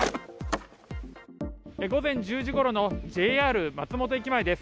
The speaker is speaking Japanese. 午前１０時ごろのＪＲ松本駅前です。